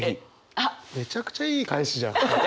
めちゃくちゃいい返しじゃん。